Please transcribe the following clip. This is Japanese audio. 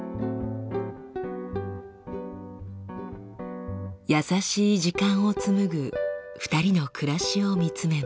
優しい時間を紡ぐ２人の暮らしを見つめます。